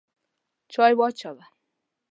چای واچوه!